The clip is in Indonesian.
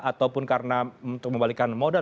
ataupun karena untuk membalikan modal